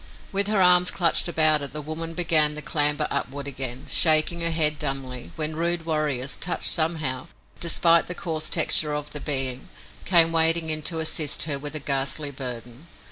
With her arms clutched about it the woman began the clamber upward again, shaking her head dumbly, when rude warriors, touched somehow, despite the coarse texture of their being, came wading in to assist her with the ghastly burden.